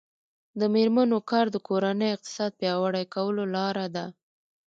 د میرمنو کار د کورنۍ اقتصاد پیاوړی کولو لاره ده.